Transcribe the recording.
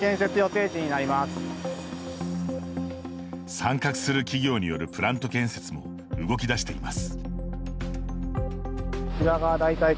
参画する企業によるプラント建設も動き出しています。